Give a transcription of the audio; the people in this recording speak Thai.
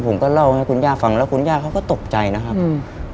ผมก็เล่าให้คุณย่าฟังแล้วคุณย่าเขาก็ตกใจนะครับอืม